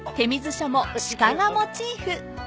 舎も鹿がモチーフ］